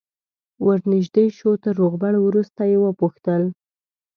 ور نژدې شو تر روغبړ وروسته یې وپوښتل.